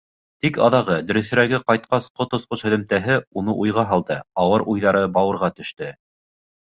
Тик аҙағы, дөрөҫөрәге, ҡайтҡас ҡот осҡос һөҙөмтәһе уны уйға һалды, ауыр уйҙары бауырға төштө.